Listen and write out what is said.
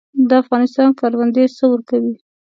د افغانستان کروندې څه ورکوي؟